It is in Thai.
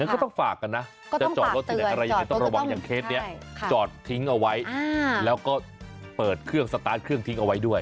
ก็ต้องฝากกันนะก็ต้องฝากเตือนจอดทิ้งเอาไว้แล้วก็เปิดเครื่องสตาร์ทเครื่องทิ้งเอาไว้ด้วย